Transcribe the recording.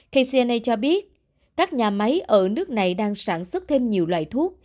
kcna cho biết các nhà máy ở nước này đang sản xuất thêm nhiều loại thuốc